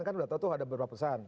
kan udah tau tuh ada beberapa pesan